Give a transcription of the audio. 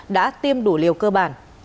đã tiêm đủ liều cơ bản